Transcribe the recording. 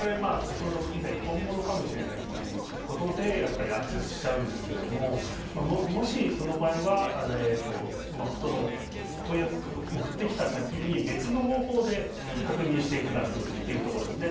本物かもしれないということでアクセスしちゃうんですけどもしその場合は問い合わせを送ってきた先に別の方法で確認していただくということですね。